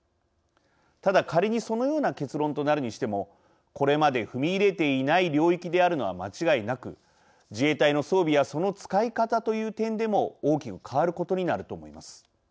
ただ、仮にそのような結論となるにしてもこれまで踏み入れていない領域であるのは間違いなく自衛隊の装備やその使い方という点でも大きく変わることになると思います。